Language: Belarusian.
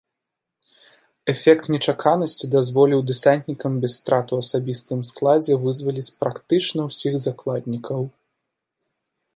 Эфект нечаканасці дазволіў дэсантнікам без страт у асабістым складзе вызваліць практычна ўсіх закладнікаў.